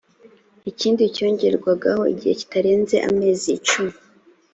ikindi cyongererwaho igihe kitarenze amezi cumi